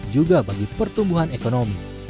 juga bagi pertumbuhan ekonomi